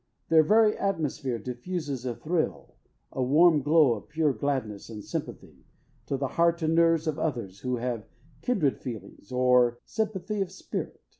Their very atmosphere diffuses a thrill, a warm glow of pure gladness and sympathy, to the heart and nerves of others who have kindred feelings, er sympathy of spirit.